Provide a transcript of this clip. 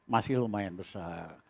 masih lumayan besar